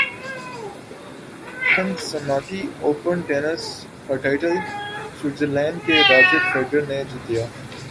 Cincinnati Open tennis کا title Switzerland کے Roger Federer نے جیت لیا